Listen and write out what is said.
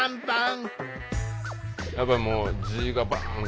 やっぱりもう字がバンが？